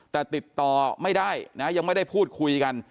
แต่ติดต่อไม่ได้นะยังไม่ได้พูดคุยกัน